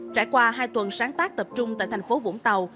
trải qua hai tuần sáng tác tập trung tại thành phố vũng tàu